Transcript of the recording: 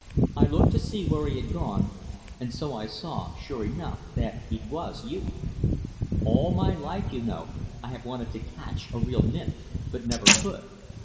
I looked to see where he had gone, and so I saw, sure enough, that it was you. All my life, you know, I have wanted to catch a real nymph; but never could.